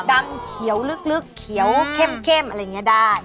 ดำเขียวลึกเขียวเข้มอะไรอย่างนี้ได้